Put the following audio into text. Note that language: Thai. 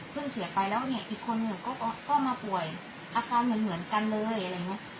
เพิ่งเสียไปแล้วเนี้ยอีกคนหนึ่งก็ก็ก็มาป่วยอาการเหมือนเหมือนกันเลยอะไรอย่างเงี้ย